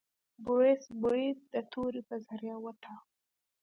بوریس برید د تورې په ذریعه وتاوه.